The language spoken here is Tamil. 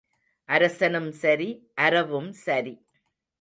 அரசனும் சரி, அரவும் சரி.